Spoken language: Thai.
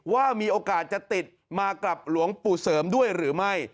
ว่ามีโอกาสจะติดมากับหลวงปู่เสริมด้วยหรือไม่